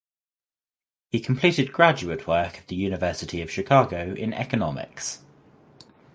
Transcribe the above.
He completed graduate work at the University of Chicago in economics.